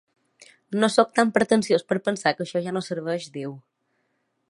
No sóc tan pretensiós per a pensar que això ja no serveix, diu.